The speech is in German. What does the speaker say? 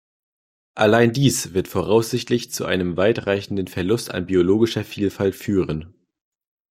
Allein dies wird voraussichtlich zu einem weit reichenden Verlust an biologischer Vielfalt führen.